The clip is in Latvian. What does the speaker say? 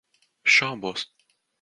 Šaubos.